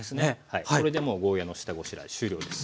これでもうゴーヤーの下ごしらえ終了です。